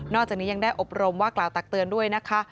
จากนี้ยังได้อบรมว่ากล่าวตักเตือนด้วยนะคะ